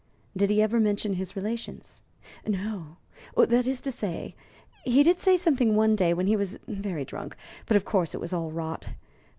"Did he ever mention his relations?" "No. That is to say, he did say something one day when he was very drunk; but, of course, it was all rot.